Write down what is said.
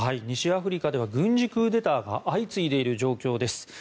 西アフリカでは軍事クーデターが相次いでいる状況です。